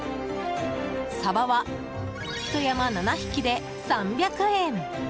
サバはひと山７匹で３００円。